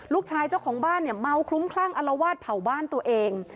เจ้าของบ้านเนี่ยเมาคลุ้มคลั่งอลวาดเผาบ้านตัวเอง